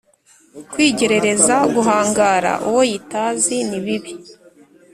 kwigerereza, guhangara uwo ytazi ni bibi